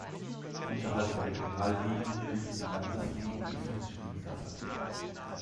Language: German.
Unterhalb der Regionalligen bilden die Landesligen die vierte Spielklasse.